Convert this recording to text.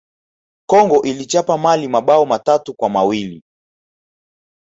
congo iliichapa Mali mabao matatu kwa mawili